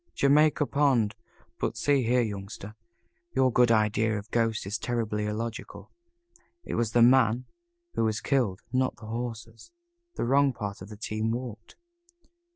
"Jamaica Pond. But see here, Youngster, your idea of ghosts is terribly illogical. It was the man who was killed, not the horses. The wrong part of the team walked."